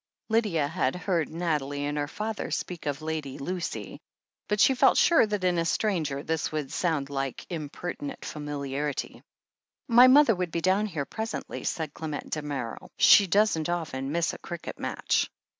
Lydia had heard Nathalie and her father speak of "Lady Lucy," but she felt sure that in a stranger this would sound like impertinent familiarity. 278 THE HEEL OF ACHILLES "My mother will be down here presently/' said Clement Damerel. "She doesn't often miss a cricket match."